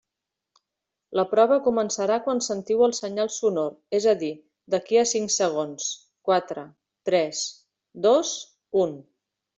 La prova començarà quan sentiu el senyal sonor, és a dir, d'aquí a cinc segons, quatre, tres, dos, un.